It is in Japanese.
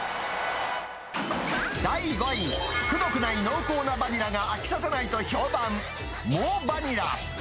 第５位、くどくない濃厚なバニラが飽きさせないと評判、モウバニラ。